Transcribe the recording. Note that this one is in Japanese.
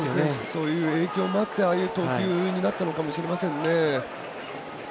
そういう影響もあってああいう投球になったのかもしれませんね。